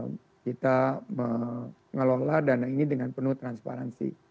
jadi kita akan mengelola dana ini dengan penuh transparansi